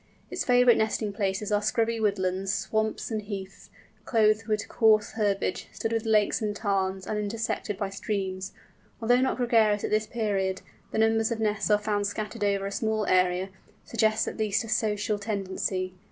Its favourite nesting places are scrubby woodlands, swamps, and heaths, clothed with coarse herbage, studded with lakes and tarns, and intersected by streams. Although not gregarious at this period, the numbers of nests found scattered over a small area, suggests at least a social tendency.